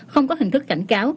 không có hình thức cảnh cáo